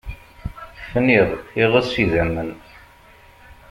Fniɣ, iɣes, idammen.